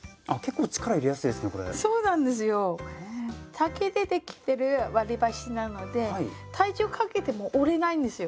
竹でできてる割り箸なので体重かけても折れないんですよ。